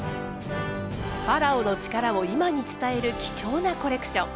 ファラオの力を今に伝える貴重なコレクション。